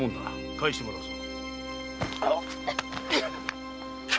返してもらうぞ。